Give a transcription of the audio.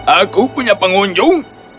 aku punya pengunjung